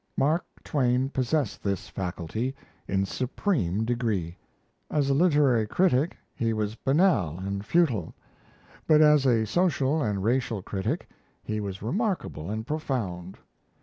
Mark Twain possessed this faculty in supreme degree. As a literary critic he was banal and futile; but as a social and racial critic he was remarkable and profound.